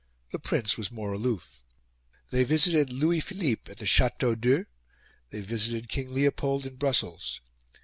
The Prince was more aloof. They visited Louis Philippe at the Chateau d'Eu; they visited King Leopold in Brussels.